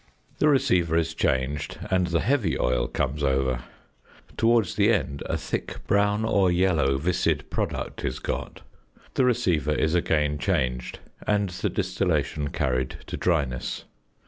The receiver is changed, and the "heavy oil" comes over; towards the end a thick brown or yellow viscid product is got. The receiver is again changed, and the distillation carried to dryness.